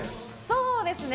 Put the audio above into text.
そうですね。